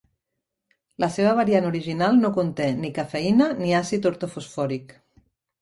La seva variant original no conté ni cafeïna ni àcid ortofosfòric.